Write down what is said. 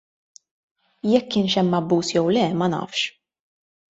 Jekk kienx hemm abbuż jew le, ma nafx.